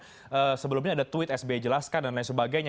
ada respon sebelumnya ada tweet sby jelaskan dan lain sebagainya